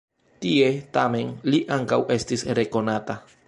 Tie, tamen, li ankaŭ estis rekonata.